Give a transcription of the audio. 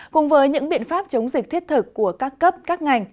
cùng với những biện pháp chống dịch thiết thực của các cấp các ngành